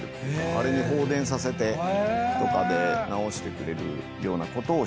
あれに放電させてとかで治してくれるようなことをしたりとか。